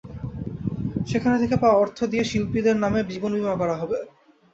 সেখান থেকে পাওয়া অর্থ দিয়ে শিল্পীদের নামে জীবনবিমা করা হবে।